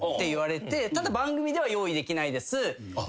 ただ番組では用意できないです。